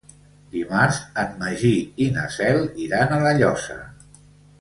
Dimarts en Magí i na Cel iran a La Llosa.